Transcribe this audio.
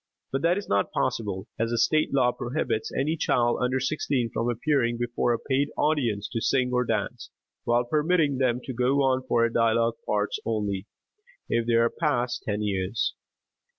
But that is not possible, as a state law prohibits any child under sixteen from appearing before a paid audience to sing or dance, while permitting them to go on for dialogue parts only, if they are past ten years.